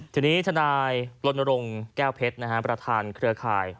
ทีนี้ทนายลนรงค์แก้วเพชรประธานเครือข่าย